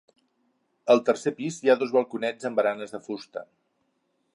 Al tercer pis hi ha dos balconets amb baranes de fusta.